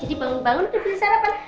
jadi bangun bangun udah beli sarapan